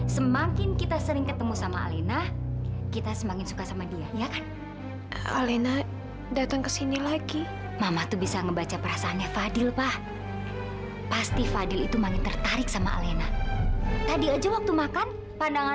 sampai jumpa di video selanjutnya